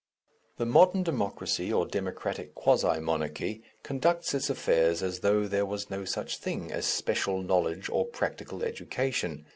The modern democracy or democratic quasi monarchy conducts its affairs as though there was no such thing as special knowledge or practical education.